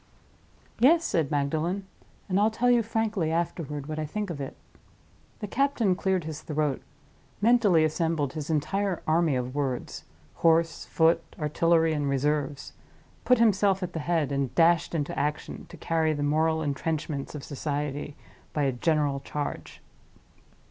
"Yes," said Magdalen; "and I'll tell you frankly afterward what I think of it." The captain cleared his throat; mentally assembled his entire army of words—horse, foot, artillery, and reserves; put himself at the head; and dashed into action, to carry the moral intrenchments of Society by a general charge.